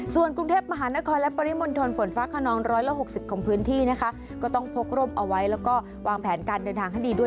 ส่วนกรุงเทพมหานครและปริมณฑลฝนฟ้าขนอง๑๖๐ของพื้นที่นะคะก็ต้องพกร่มเอาไว้แล้วก็วางแผนการเดินทางให้ดีด้วย